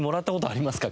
ありますか？